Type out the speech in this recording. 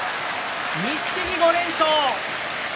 錦木、５連勝。